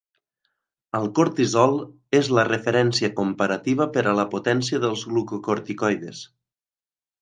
El cortisol és la referència comparativa per a la potència dels glucocorticoides.